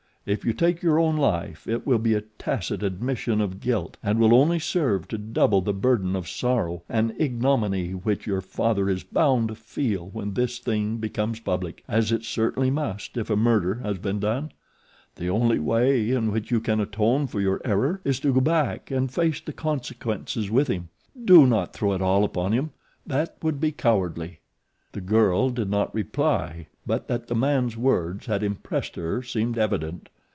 If you take your own life it will be a tacit admission of guilt and will only serve to double the burden of sorrow and ignominy which your father is bound to feel when this thing becomes public, as it certainly must if a murder has been done. The only way in which you can atone for your error is to go back and face the consequences with him do not throw it all upon him; that would be cowardly." The girl did not reply; but that the man's words had impressed her seemed evident.